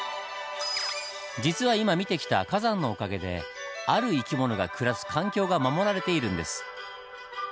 実は今見てきた火山のおかげである生き物が暮らす環境が守られているんです。